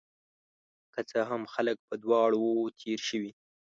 که څه هم، خلک په دواړو وو تیر شوي